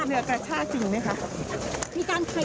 เรือกระชากจริงไหมคะ